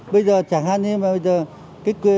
bây giờ chẳng hạn như bây giờ